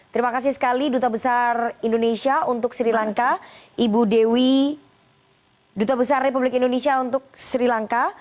terima kasih sekali duta besar indonesia untuk sri lanka ibu dewi duta besar republik indonesia untuk sri lanka